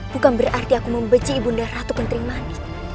bukan berarti aku membenci ibu nera ketrimanik